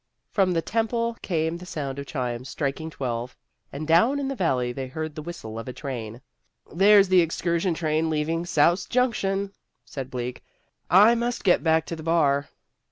From the temple came the sound of chimes striking twelve, and down in the valley they heard the whistle of a train. "There's the excursion train leaving Souse Junction," said Bleak. "I must get back to the bar!"